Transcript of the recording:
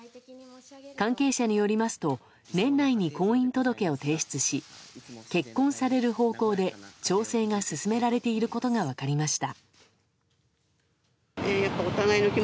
関係者によりますと年内に婚姻届を提出し結婚される方向で調整が進められていることが分かりました。